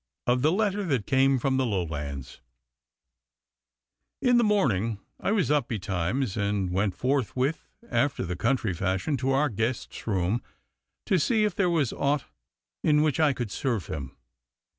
Of the Letter that came from the Lowlands In the morning I was up betimes, and went forthwith, after the country fashion, to our quest's room to see if there was aught in which I could serve him.